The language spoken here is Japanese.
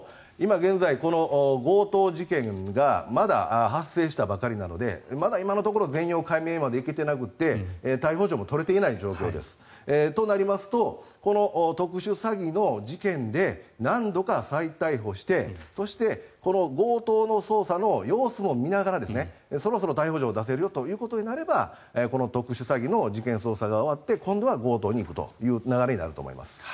現在、強盗事件がまだ発生したばかりなのでまだ今のところ全容解明まで行けてなくて逮捕状も取れていない状況です。となりますと、特殊詐欺の事件で何度か再逮捕してそして、この強盗の捜査の様子も見ながらそろそろ逮捕状を出せるよということになればこの特殊詐欺の事件捜査が終わって今度は強盗に行くという流れになると思います。